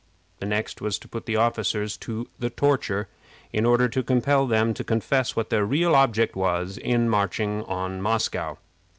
The next was to put the officers to the torture, in order to compel them to confess what their real object was in marching to Moscow.